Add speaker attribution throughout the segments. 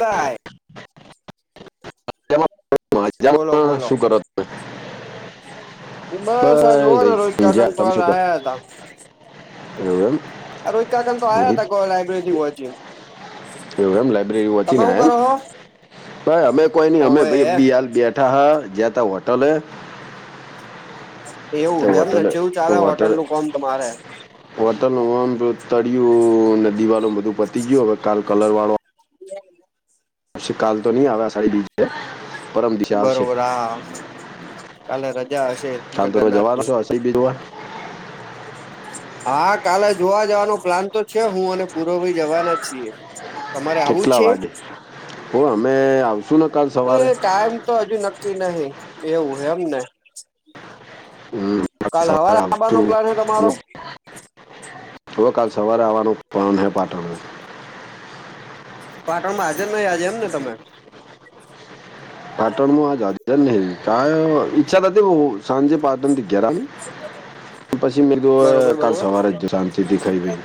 Speaker 1: By.
Speaker 2: [unintelligible] જ
Speaker 1: બોલો બોલો
Speaker 2: શું કરો તમે?
Speaker 1: બસ આ જોવા ને ભઈ
Speaker 2: ઊંઘ્યા તમે શું
Speaker 1: [unintelligible]
Speaker 2: કરો
Speaker 1: આયા તા.
Speaker 2: એવું એમ
Speaker 1: રોજ ક તો આયા
Speaker 2: ઊંઘી
Speaker 1: હતા લાઈબ્રેરી હોચી.
Speaker 2: એવું એમ લાઈબ્રેરી વચી
Speaker 1: હું
Speaker 2: નાને એમ
Speaker 1: કરો હો
Speaker 2: ભાઈ અમે કોઈ નઈ
Speaker 1: ઓવે
Speaker 2: અમેઈ બી હાલ બે થા જેતા હોટલે તે
Speaker 1: એવું એમને
Speaker 2: હોટલે
Speaker 1: જેવું ચાલે હોટલ નું કોમ તમારે?
Speaker 2: હોટલ આમ તો તળય્યું ને દીવડો ને બધું પતી ગયું હવે કાલ કલર વાળો
Speaker 1: [unintelligible]
Speaker 2: શી કાલ તો નહી આવે સારી બીજ પરમ દિશા આવશે
Speaker 1: બરોબર હા હા. કાલે રજા હશે.
Speaker 2: હા તો તમે
Speaker 1: જગન્નાથ
Speaker 2: જવાનો
Speaker 1: ની
Speaker 2: છો આ સી બી રોડ?
Speaker 1: હા કાલે જવાનો તો છે હું અને પૂરોવ ભાઈ જવાના છીએ. તમારે આવું
Speaker 2: કેટલા
Speaker 1: છે
Speaker 2: વાડે ઓ અમે આવશું ને કાલ
Speaker 1: એ
Speaker 2: સવારે
Speaker 1: ટાઈમ તો હજુ નક્કી નહિ એવું એમને.
Speaker 2: હમ,
Speaker 1: કાલ હવાર આબા નો પ્લાન હે તમારો?
Speaker 2: તો કાલ સવારે આવવાનું પ્લાન હૈ પાટણને.
Speaker 1: પાટણ માં હાજર નહી આજે એમ ને તમે?
Speaker 2: પાટણમાં આજજર નહી કા અહ ઈક્છા થતી બહુ સાંજે પા ટન ગેરામે. પછી મે
Speaker 1: બરોબર
Speaker 2: કીધું કાલ સવારે જ જાઉં શાંતિથી ખાઇ પીને.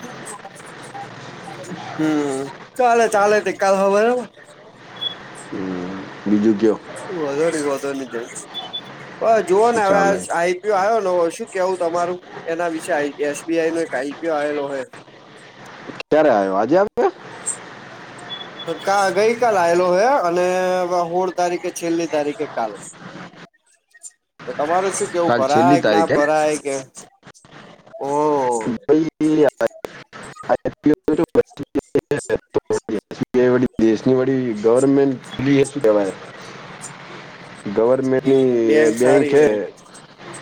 Speaker 1: હમ્મ ચાલે ચાલે તે કાલ ખબર હે.
Speaker 2: હમ્મ બીજું ક્યો?
Speaker 1: હું વધારે વધો નહી વધો નહી જ જુઓ
Speaker 2: શું
Speaker 1: ને હવે આ
Speaker 2: ચાલે
Speaker 1: આઈ યો આવ્યો ને શું કેવું તમારું એના વિશે આઈ એસ બી આઈ નો એક આઈ પી ઓ આહેલો હે.
Speaker 2: ક્યારે આયો આજે આવિયો?
Speaker 1: કા ગઈ કાલ આવેલો હે અને હોળ તારીખે છેલ્લી તારીખ હે કાલ.
Speaker 2: [unintelligible]
Speaker 1: તો તમારો સે કેવું
Speaker 2: કાલ
Speaker 1: ફરાય
Speaker 2: છેલ્લી
Speaker 1: કે ના
Speaker 2: તારીખ એમ
Speaker 1: ફરાય કે ઓ
Speaker 2: ભાઈ તો
Speaker 1: [unintelligible]
Speaker 2: [unintelligible] દેશની બડી ગવર્મેન્ટ એસી કહેવાય.
Speaker 1: [unintelligible] હમ
Speaker 2: ગવર્મેન્ટની એ બેંક
Speaker 1: સારી
Speaker 2: કૈ
Speaker 1: હે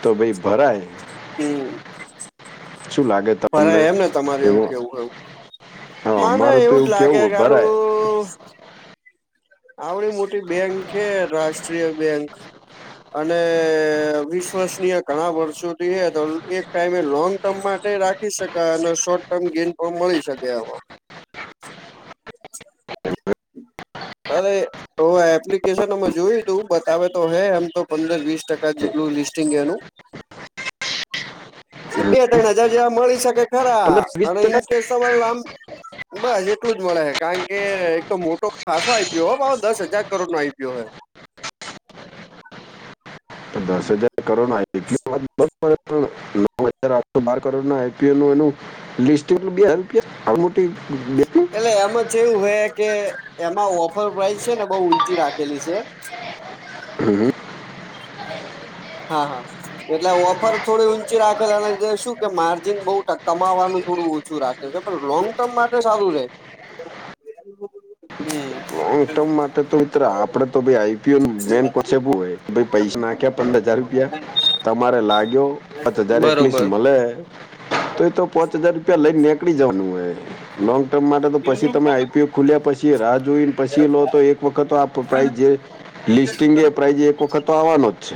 Speaker 2: તો ભઈ ભરાય.
Speaker 1: હમ્મ,
Speaker 2: શું લાગે તમને
Speaker 1: ફરાય એમ ને તમારે એવું
Speaker 2: એમાં
Speaker 1: કેવું એવું.
Speaker 2: હા,
Speaker 1: માને
Speaker 2: અમારું તો
Speaker 1: એવું જ લાગે
Speaker 2: કેવું ભરાય
Speaker 1: ગારું આવડી મોટી બેંક કે રાષ્ટ્રીય બેંક? અને વિશ્વાસનીય ઘણા વર્ષોથી હે તો એક ટાઈમે લોંગ ટર્મ માટે રાખી શકાય અને શોર્ટ ટર્મ ગેન પણ મળી શકે આમાં. હવે તો એપ્લિકેશન અમે જોયું તું, બતાવે તો હે એમ તો પંદર વીસ ટકા જેટલું લિસ્ટિંગ એનું. બે ત્રણ હજાર જેવા મળી શકે ખરા.
Speaker 2: પંદર વીસ
Speaker 1: અને
Speaker 2: ટકા
Speaker 1: ઇન કેસ સવાલ આમ બસ એટલું જ મળે હે, કારણ કે એક તો મોટો ખાસો આઈપીયો હો ભાવ દસ હજાર કરોડ નો આઈપીયો હે.
Speaker 2: તો દસ હજાર કરોડ આઇપો પણ એતો નવ હજ આઠસો બાર કરોડ આઈપીઓ નું એનું લિસ્ટેડ નું બે આઈપીઓ. [unintelligible]
Speaker 1: કેવું હે કે એમાં ઓફર પ્રાઈસ છે ને બહુ ઊંચી રાખેલી છે.
Speaker 2: હમ્મ હમ્મ.
Speaker 1: હા-હા. એટલે ઓફર થોડી ઊંચી રાખે એના લીધી શું કે માર્જિન બઉ ટક કમાવાનું થોડુંક ઓછું ઓછું રાખે છે. પણ લોંગ ટર્મ માટે સારું રેય.
Speaker 2: [inaudible]
Speaker 1: હમ્મ.
Speaker 2: લોંગ ટર્મ માટે તો મિત્ર આપડે તો ભી આઇ પીઓ નું મેન કોન્સેપ્ટ એવું હોય ભઇ પૈસા નાખ્યા પંદર હજાર રૂપિયા તમારે લાગ્યો પોચ હજાર એટલીસ્ટ
Speaker 1: બરોબર
Speaker 2: મલે તો એ તો પોચ હજાર રૂપિયા લઈને નેકળી જવાનું હોય. લોંગ ટર્મ માટે તો પછી તમે આઈપીયુ ખુલ્યા પછી રાહ જોઈ છી લો તો એક વખત આ પ્રોફાઈલ જે, લિસ્ટંગ એ પ્રાઇઝે એક વખત આવવાનો જ છે.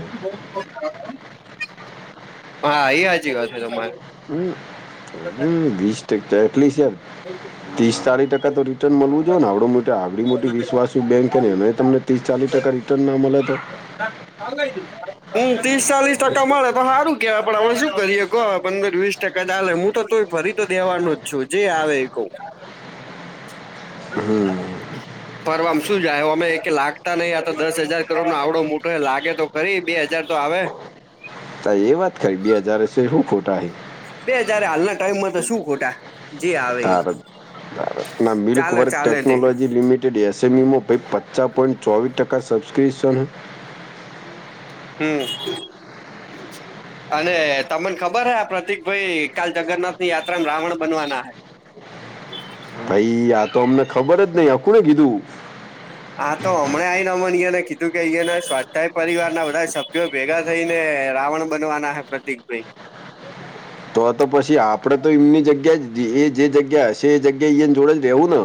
Speaker 1: હા, એ હાચી વાત હે તમારી.
Speaker 2: હમ્મ હમ્મ વીસ ટકા એટલી છે? ત્રીસ ચાલીસ ટકા તો રિટર્ન મળવું જો ને આવડો મોટો આવડી મોટી વિશ્વાસુ બેંક હે ને એનેય તમને તીસ ચાલીસ ટકા રિટર્ન ના મલે તો?
Speaker 1: હમ્મ ત્રીસ ચાલીસ ટકા મળે તો પણ હારું કેવાય પણ હવે શું કરીએ કૌ પંદર વીસ ટકા ચાલે હું તો તોય ભરી તો દેવાનું જ છું, જે આવે કઉ.
Speaker 2: હમ્મ.
Speaker 1: [inaudible] ભરવામ શું જાય? ઓમે એકે લાગતા નહી, આ તો દસ હજાર કરોડ નો આવડો મોટો લાગે તો ખરી બે હજાર તો આવે.
Speaker 2: હા એ વાત ખરી, બે હજાર હશે શું ખોટા હે.
Speaker 1: બે હજારે હાલના ટાઈમમાં તો શું ખોટા? જે આવે
Speaker 2: તા રે તારે ના મિલ્ક
Speaker 1: ચાલે
Speaker 2: વર્ક
Speaker 1: ચાલે તે
Speaker 2: ટેકનોલોજી લિમિટ જો ડેસી બી મા ભય પચા પોઇન્ટ ચોવીસ ટકા સબસ્ક્રીસન
Speaker 1: હમ્મ. અને તમને ખબર હૈ આ પ્રતિક ભાઈ કાલ જગન્નાથ ની યાત્રા રાવણ બનવાના હૈ.
Speaker 2: ભઈ આ તો અમને ખબર જ નઈ આ કોને કીધું?
Speaker 1: હા તો હમણાં આય નમણી ને કીધું કે અહીયાને સ્વાધ્યાય પરિવાર ના બધા સભ્યો ભેગા થઈ ને રાવણ બનવાના હે પ્રતિક ભઈ.
Speaker 2: તો તો પછી આપડે તો એમની જગ્યા જ એ જે જગ્યા હશે એ જગ્યા એ જોડે જ રહેવું ન.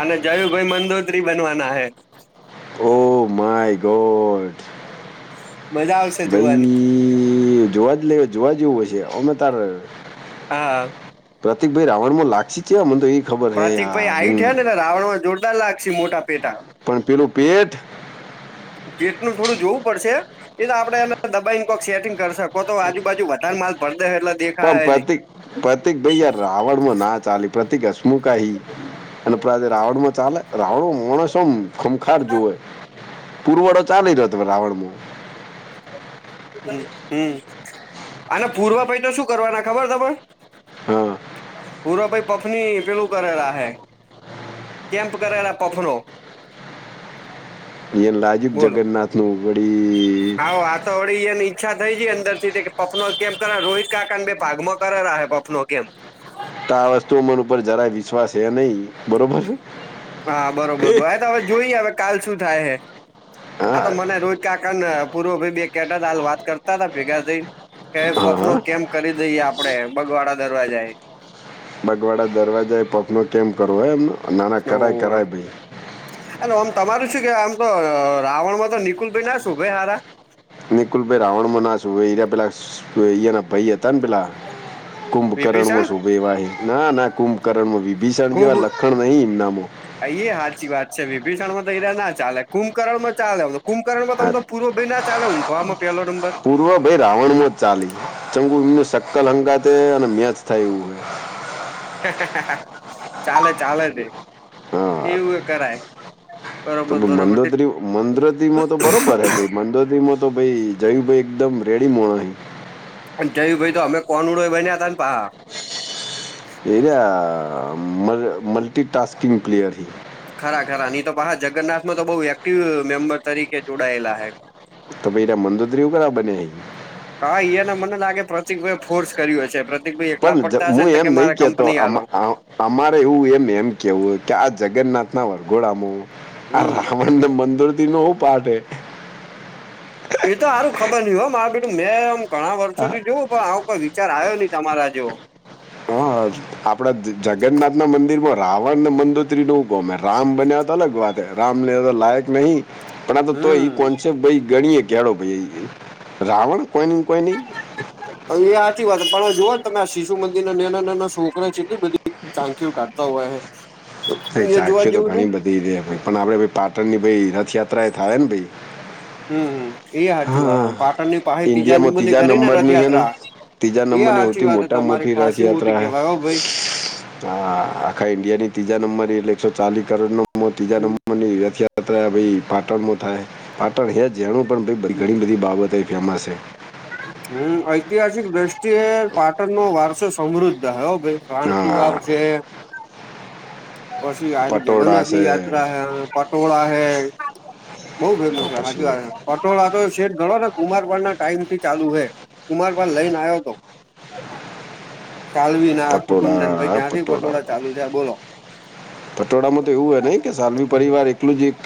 Speaker 1: અને જયું ભાઈ મંદોત્રી બનવાના હે.
Speaker 2: Oh my god.
Speaker 1: મજા આવશે જોવાની
Speaker 2: ભઈ જોવા જ એટલે એવો જોવા જેવું હોય છે. અમે તાર
Speaker 1: હા.
Speaker 2: પ્રતિક ભાઈ રાવણમાં લાગશે કેવા? મન તો ઈ ખબર હે યા
Speaker 1: પ્રતિકભાઈ હાઈટ હે ને
Speaker 2: [unintelligible]
Speaker 1: એટલે રાવણમાં જોરદાર લાગશે મોટા પેટાવ.
Speaker 2: પણ પહેલું પેટ
Speaker 1: ઈ પેટ નું થોડું જોવું પડશે એ તો આપણે એને દબાઈને કોક સેટિંગ કરશે. કહો તો આજુ બાજુ વધાર માલ [unintelligible]
Speaker 2: પણ
Speaker 1: નહી
Speaker 2: પ્રતિક, પ્રતિક ભઈ યાર રાવણમાં ના ચાલે, પ્રતિક હસમુખ આઈ. અને [unintelligible] રાવણમાં ચાલે? રાવણમાં માણસ આમ ખમખાર જોવે. પુરવડો ચાલી રહ્યો તો રાવણમાં.
Speaker 1: હમ્મ-હમ્મ. અને પૂરવાભાઈ તો શું કરવાના ખબર તમન?
Speaker 2: હા
Speaker 1: પૂરવા ભાઈ પફની પહેલું કરેલા હે, કેમ્પ કરેલા પફનો.
Speaker 2: એ લાગ્યું
Speaker 1: બોલો
Speaker 2: જગન્નાથ નું વડી
Speaker 1: આવો આ તો વડી એની ઈચ્છા થઈ છે અંદરથી તે કે પફ નો જ કેમ્પ કરા. રોહિત કાકાન બે ભાગ માં કરે રહા હે પફનો કેમ્પ.
Speaker 2: તો આ વસ્તુ મન ઉપર જરાય વિશ્વાસ હે નહીં. બરોબર?
Speaker 1: હા બરોબર ભાઈ. તો હવે જોઈ હવે કાલ શું થાય હે. આ તો
Speaker 2: હા
Speaker 1: મને રોજ કાકાન પૂરો ભઈ બે કેટ હાલ વાત કરતા તા ભેગા થઈન, કે
Speaker 2: હા
Speaker 1: પફ નો
Speaker 2: હા
Speaker 1: કેમ્પ કરી દઈએ આપ પણે એમ બગવાડા દરવાજા એ.
Speaker 2: બગવાડા દરવાજા એ પફનો કેમ્પ કરવો એમ? ના-ના કરાય-કરાય ભઈ.
Speaker 1: એટલે ઓમ તમારું શું કહેવા? આમ તો રાવણમાં તો નિકુલ ભાઈ ના શોભે હારા.
Speaker 2: નિકુલ ભાઈ રાવણમાં ના શોભે. [unintelligible] પેલાયા ઈ એના ભઈ હતા ને પહેલાં કુંભકર્ણમાં
Speaker 1: વિભીષણ
Speaker 2: શોભે એવા ઈ. ના-ના કુંભકર્ણમાં. વિભિષણ જેવા લખણ નહીં એમનામ.
Speaker 1: હા ઈએ હાચી વાત છે. વિભિષણ માં તો [unintelligible] ના ચાલે. કુંભકર્ણ માં ચાલે. કુંભકર્ણ માં તો
Speaker 2: હા
Speaker 1: એમ તો પૂરો ભઈ ના ચાલે ઊંઘવામાં પહેલો નંબર.
Speaker 2: પૂર્વભાઈ રાવણમાં જ ચાલે. [unintelligible] અને મેચ થાય એવું હે.
Speaker 1: ચાલે-ચાલે તે.
Speaker 2: હા
Speaker 1: એવુંઈ કરાય.
Speaker 2: તો
Speaker 1: બરોબર
Speaker 2: ભઈ
Speaker 1: બરોબર
Speaker 2: મંદદ્રીવ-મંદદ્રીવમાં તો બરોબર હે ભઈ મંદોદ્રીવમાં તો ભઈ જયુભાઈ એકદમ રેડી [unintelligible]
Speaker 1: અને જયુંભાઈ તો ઓમેય કનુડો એઈ બન્યાં તાન [unintelligible]
Speaker 2: [unintelligible] મલ મલ્ટીટાસ્કિંગ પ્લેયર હી.
Speaker 1: ખરા-ખરા. ની તો પાહ જગન્નાથમાં તો બહુ વ્યક્તિ મેમ્બર તરીકે જોડાયેલા હે.
Speaker 2: તો પઈ [unintelligible] મંદોદ્રીવ હું કરા બને હે ઈ?
Speaker 1: હા ઈ એને મને લાગે પ્રતિક ભાઈએ ફોર્સ કર્યો છે. પ્ર
Speaker 2: પણ જ હું એમ નહીં કહેતો
Speaker 1: હાલો
Speaker 2: આમા આ અમારે એવું એમ-એમ કહેવું હે કે આ જગન્નાથ ના વરઘોડામો આ
Speaker 1: હમ
Speaker 2: રા વણ ને મંદોદ્રીવનો હુ પાઠ હે?
Speaker 1: એ તો હારું ખબર નહીં હો. મારા બેટું મેં આમ ઘણા વર્ષોથી જોવું, પણ આવું પણ વિચાર આયો નહીં તમારા જેવો.
Speaker 2: હાજ. આપણા જગન્નાથ ના મંદિર માં રાવણ ને મંદોત્રી નો ગમે. રામ બન્યા તાન [unintelligible] રામ ને હવે લાયક નહીં. પણ આ તોઈ ઈ
Speaker 1: હમ
Speaker 2: કોન્સેપ્ટ ભઈ ગણીએ કે હેડો ભઈ. રાવણ કોઈન કોઈ નહીં
Speaker 1: હા ઈ હાચી વાત. તમે જોઓ ને તમે આ શિશુ મંદિર ના નાના-નાના છોકરા છેને બધેઈ ચાંખયુ કાઢતા હોય એ જોવા જેવું ને
Speaker 2: [unintelligible] આપડે પાટણની ભાઈ રથયાત્રા એ થાય ને ભાઈ
Speaker 1: હમ હમ એ હાચી
Speaker 2: હા
Speaker 1: વાત પાટણની પાહી ત્રીજા
Speaker 2: ઇન્ડિયામાં
Speaker 1: નંબર ની ખરી ને
Speaker 2: નંબરની હે
Speaker 1: રથયાત્રા
Speaker 2: ત્રીજા
Speaker 1: એ
Speaker 2: નંબર ની
Speaker 1: સાચી
Speaker 2: સૌથી
Speaker 1: વાત
Speaker 2: મોટા માં
Speaker 1: તમારી
Speaker 2: મોટી
Speaker 1: ખાસી મોટી
Speaker 2: રથયાત્રા
Speaker 1: કેવાય હો ભાઈ
Speaker 2: હા આખા ઈન્ડિયાની ત્રીજા નંબર એટલે એકસો ચાલીસ કરોડનો ત્રીજા નંબરની રથ યા ત્રા ભાઈ પાટણમાં થાય પાટણ હે જેણું પણ ઘણી બધી બાબતો એ ફેમસ છે.
Speaker 1: હમ‌ ઐતિહાસિક દ્રષ્ટિએ પાટણનો વારસો સમૃદ્ધ હે હો ભાઈ રાણકી
Speaker 2: હા
Speaker 1: વાવ છે. પછી આરીયુ
Speaker 2: પટોળા
Speaker 1: જગન્નાથની
Speaker 2: છે
Speaker 1: યાત્રા હૈ પટોળા હૈ બો
Speaker 2: તો
Speaker 1: ફેમસ હે સાચી
Speaker 2: પછી
Speaker 1: વાત હે પટોળા તો શેક ગડોને કુમારવન ના ટાઈમ થી ચાલુ હે કુમારપાલ લઈને આવ્યોતો ચાલવી ના કુટુંબ ને ભાઈ
Speaker 2: પટોળા
Speaker 1: ત્યાંથી પટોળા ચાલુ થયા બોલો
Speaker 2: પટોડામાં તો એવું હે નહીં કે સાલવી પરિવાર એકલું જ એક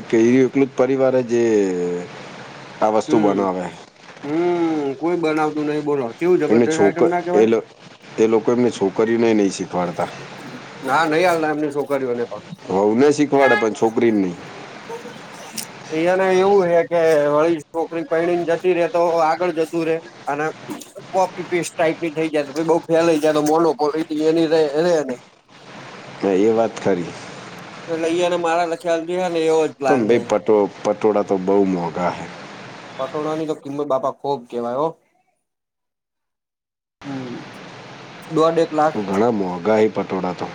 Speaker 2: એક એરું એકલું જ પરિવાર હે જે [inaudible] વસ્તુ
Speaker 1: હમ
Speaker 2: બનાવે
Speaker 1: હમ કોઈ બનાવતું નહીં બોલો કેવું
Speaker 2: [unintelligible]
Speaker 1: જબરદસ્ત આઈટમ
Speaker 2: છોક
Speaker 1: ના કેવાય
Speaker 2: એલ એલોકો એમની છોકરીઓ નેય નહીં શી વાડતા
Speaker 1: ના નહી હાલના એમની છોકરીઓને પણ
Speaker 2: વહું ને શીખવાડે પણ છોકરી ને નહી
Speaker 1: બ [inaudible] એયાને એવું હે કે વળી છોકરી પરણીને જતી રે તો આગળ જશુ રે અને કોપી પેસ્ટ ટાઈપની થઇ જાય તો બો ફેલાઈ જાય ને મોનોપોલીટી એની રે [inaudible]
Speaker 2: હા એ વાત ખરી
Speaker 1: લઈએ અને મારા લખ્યાથી એવો જ
Speaker 2: પણ
Speaker 1: પ્લાન હે
Speaker 2: ભાઈ પટો પટોળા તો બઉ મોંઘા હૈ
Speaker 1: પટોડાની તો કિંમત બાપા ખોબ કહેવાય હો હમ દોઢ એક લાખ
Speaker 2: ઘણા મોંઘા હે પટોળા તો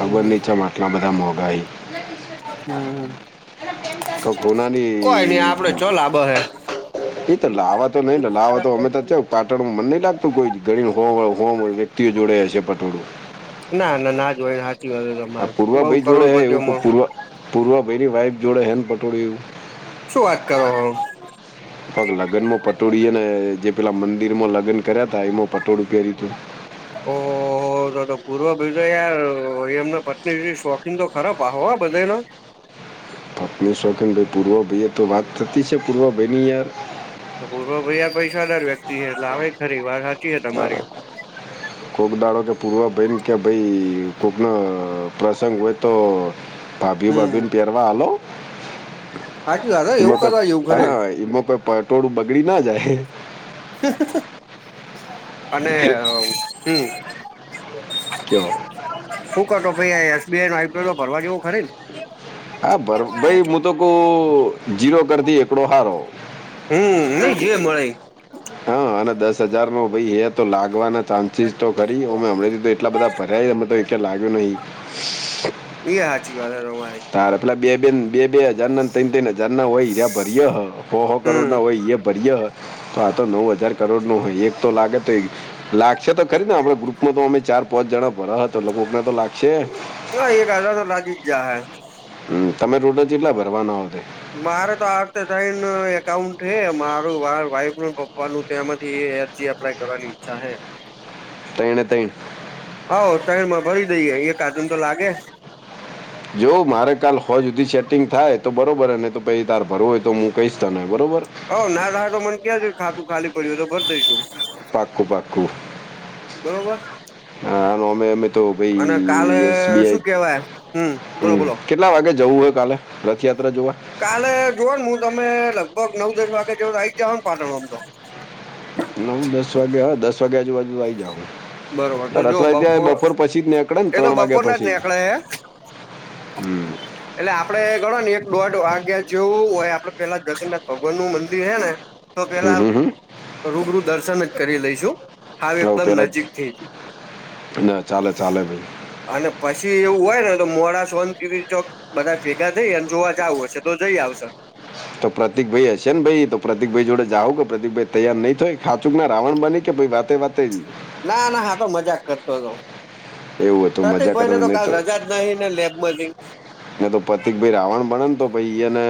Speaker 1: હમ
Speaker 2: ની ચેમ આટલા બધા મોંઘા હૈં
Speaker 1: હમ હમ
Speaker 2: તો
Speaker 1: કોઈ નઈ
Speaker 2: કોનાની
Speaker 1: આપડે ચો લાભ હે
Speaker 2: એ તો લાવવા તો નઈ લાવવા તો અમે તો [unintelligible] પાટોળું મન નહી લાગતું કોઈ ગયું હો હો વ્યક્તિઓ જોડ હશે પટોળું
Speaker 1: ના ના નાજ હોય હાચી વાત હોય તમારી બો કરોડ પતિઓ મો
Speaker 2: પૂર્વભાઈની વાઈફ જોડે હેન પટોળું એવું
Speaker 1: શું વાત કરો હો?
Speaker 2: હ [inaudible] પગ લગ્નમાં પટોળી ને જે પેલા મંદિરમાં લગ્ન કર્યા તા એમાં પટોળી પહેર્યું તું
Speaker 1: ઓ તો તો પૂર્વ ભાય તો યાર એમના પત્ની થી શોખીન તો ખરા પાહો [unintelligible]
Speaker 2: પત્ની શોખીન ભાઈ પૂર્વ ભાઈએ થતી છે, પૂર્વભાઈની યાર
Speaker 1: તો પૂર્વ ભાઈ પૈસાદાર વ્યક્તિ હે લાવે ખરી વાત હાચી હે તમારી
Speaker 2: [inaudible] કોક દાડો કે પૂર્વાભાઈન કે ભઈ કોકન પ્રસંગ હોય તો ભાભીઓ
Speaker 1: હમ
Speaker 2: બાભિઓ ને પેરવા હાલો
Speaker 1: સાચી વાત હો એવું
Speaker 2: ઈમાં કઈ
Speaker 1: કરવા જેવું ખરે
Speaker 2: હા ઈમાં કઈ પટોડુ બગડી ના જાય
Speaker 1: અને હમ
Speaker 2: કેવ
Speaker 1: શહુકરતો [unintelligible] એસબીઆઈ નો આઈપ્રો તો ભરવા જેવો ખરીને?
Speaker 2: હા ભ ભાઈ હું તો કવ જીરો કરતી એકડો હારો
Speaker 1: હમ નઈ જે મળે
Speaker 2: હ અને દસ હજારનો ભાઈ એ તો લાગવાના ટા ચચીસ તો કરીં અમે હમણાથી તો એટલા બધા ભર્યા અમ તો એકય લાગ્યો નઈ
Speaker 1: એ હાચી વાત હે તમારી
Speaker 2: તાર પેલા બે બેન બે બે હજાર નાન તન ત્રન હજારના હોય એર્યા ભર્ય હ હો હો
Speaker 1: હમ
Speaker 2: કરોડના હોય એયે ભર્ય હ તો આતો નવ હજાર કરોડનો હ એક તો લાગે તે લાગશે તો ખરીજ ન હમણાં ગ્રુપમાં તો અમે ચાર પાંચ જણા ભરહ તો કોકન તો લાગશે
Speaker 1: હ એક હજાર તો લાગી જ જાહે
Speaker 2: હમ તમે રોડે ચેટલા ભરવાના હતે
Speaker 1: મારે તો આ અકતે તઈન એકાઉન્ટ હે મારું માર વાઈફનુ પપ્પાનું તો એમાંથી એ અરજી એપ્લાય કરવાની ઈચ્છા હે
Speaker 2: તઈણે તઈણ
Speaker 1: હવ તઈણમાં ભરી દઈએ એકાદુંન તો લાગે
Speaker 2: જો મારે કાલ હોંજ હુદી સેટિંગ થાય તો બરોબર હે નઈ તો પઈ તાર ભરવું હોય તો મુ કઇસ તને બરોબર
Speaker 1: હોવ ના થાય તો મન કેજો ખાતું ખાલી પડ્યું હોય તો ભર દઈશું
Speaker 2: પાક્કુ પાક્કુ
Speaker 1: બરોબર.
Speaker 2: હા અન ઓમય અમે તો
Speaker 1: અને કાલે
Speaker 2: ભઈ એસબઆઈ
Speaker 1: શું કેવાય બોલો
Speaker 2: હમ
Speaker 1: બોલો
Speaker 2: કેટલા વાગે જવું હે કાલે? રથયાત્રા જોવા
Speaker 1: કાલે જોવોન હું તમે લગભગ નવ દસ વાગે જેવું તો આઈ જ જાવહોન પાટણ હુદી તો
Speaker 2: નવ દસ વાગ્યા હ દસ વાગ્યા આજુ બાાજુ આવી જાહુ
Speaker 1: બરોબર તો જો
Speaker 2: રથયાત્રા બપોર પછી જ નેકણે ન
Speaker 1: એ તો
Speaker 2: ત્રણ વાગ્યા
Speaker 1: બપોરના
Speaker 2: પછી જ?
Speaker 1: નીકળે હે
Speaker 2: હમ.
Speaker 1: એટલે આપડે ગણો ની એક દોઢ વાગ્યા જેવું હોય આપડે પેલા જગન્નાથ ભગવાન નું મંદિર હે ને તો
Speaker 2: હમ
Speaker 1: પેલા
Speaker 2: હમ હમ.
Speaker 1: રૂબરૂ દર્શન જ કરી લઈશું હાવ
Speaker 2: હવે
Speaker 1: એકદમ
Speaker 2: પેલા જ
Speaker 1: નજીક થી જ
Speaker 2: ના ચાલે ચાલે ભઈ
Speaker 1: અને પસી એવું હોયન તો મોડા સોંતીથી ચોક બધા ભેગા થઈ અને જોવા જાવું હશે તો જઈ આવશે
Speaker 2: તો પ્રતિકભઈ હશે ને ભઈ તો પ્રતિકભઈ જોડે જાવક પ્રતિકભઈ તૈયાર નઈ થોઈ ખાચુંકના રાવણ બની કે બા તે વાતે
Speaker 1: ના ના હા તો મજાક કરતો હતો.
Speaker 2: એવું હતું
Speaker 1: પ્રતિક
Speaker 2: મજા
Speaker 1: ભાઈને
Speaker 2: કરતા
Speaker 1: તો કાલ રજા નહિ ને લેબમાંથી
Speaker 2: નેતો પતિકભઈ રાવણ બને તો પહિ એને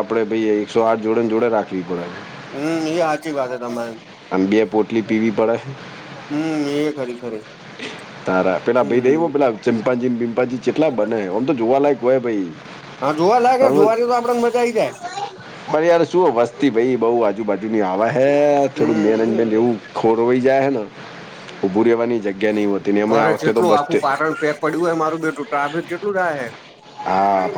Speaker 2: આપડે ભઈ એકસો આઠ જોડેન જોડે રાખવી પડે
Speaker 1: હમ એ હાચી વાત હે તમારી
Speaker 2: અન બે પોટલી પીવી પડે
Speaker 1: હમ એ ખરી ખરી
Speaker 2: તારા પેલા ભઈ [unintelligible]
Speaker 1: હમ
Speaker 2: હો પેલા ચિંપાંજી ન બીમ્પાંજી ચેટલા બને ઓમતો જોવાલાયક હોય ભઈ
Speaker 1: હા જોવાલાયક હે જોવાની તો આપડેન મજા આઈ જાય
Speaker 2: પણ યાર શું વસ્તી ભાઈ બો આજુબાજુની આવે હે થોડું
Speaker 1: હમ
Speaker 2: મેનજમેટ એવું ખોરવાય જાય હે ને ઉભું રેવાની જગ્યા નહી હોતી ને અમે આ
Speaker 1: ઘરે
Speaker 2: વખતે તો
Speaker 1: કેટલું
Speaker 2: બસ
Speaker 1: આખું
Speaker 2: ટે
Speaker 1: પાટણ પેક પડ્યું હે મારું બેઠું ટ્રાફિક કેટલું થાય હે
Speaker 2: હા.